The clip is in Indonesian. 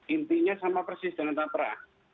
intinya sama persis dengan tapra